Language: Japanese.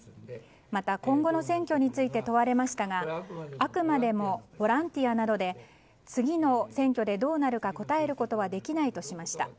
また、今後の選挙について問われましたがあくまでもボランティアなので次の選挙でどうなるか答えることはできないとしました。